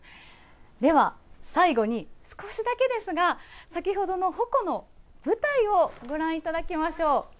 では、最後に少しだけですが、先ほどの鉾の舞台をご覧いただきましょう。